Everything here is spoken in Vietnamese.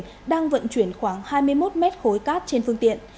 phương tiện đã vận chuyển khoảng hai mươi một mét khối cát trên phương tiện